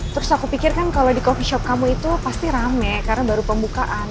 terus aku pikir kan kalau di coffee shop kamu itu pasti rame karena baru pembukaan